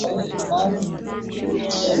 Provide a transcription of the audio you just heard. Hali ya hewa katika mtindo wa jadi ya Kiafrika